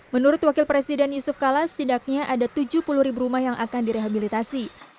menurut wakil presiden yusuf kala setidaknya ada tujuh puluh ribu rumah yang akan direhabilitasi